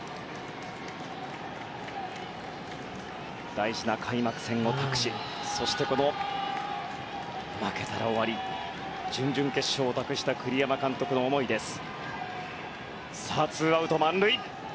大事な開幕戦を託しそして、負けたら終わりの準々決勝を託した栗山監督の思いです。